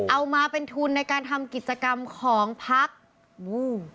เอามาเป็นทุนในการทำกิจกรรมของพักอืม